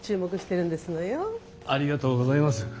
ありがとうございます。